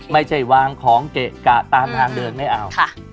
ไม่ใช่วางของเกะกะตามทางเดินไม่เอา